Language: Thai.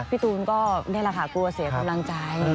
พี่ตูนก็ได้รักษากลัวเสียกำลังใจ